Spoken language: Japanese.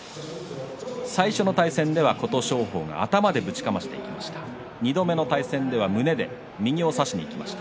最初の対戦では琴勝峰が頭でぶちかましていきました。